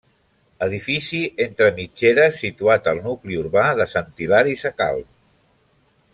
Edifici entre mitgeres, situat al nucli urbà de Sant Hilari Sacalm.